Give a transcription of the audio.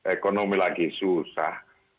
ekonomi lagi susah